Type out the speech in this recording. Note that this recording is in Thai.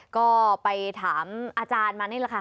ก็ไปถามอาจารย์มานี่แหละค่ะ